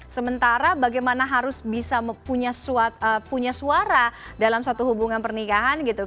sementara bagaimana harus bisa punya suara dalam satu hubungan pernikahan gitu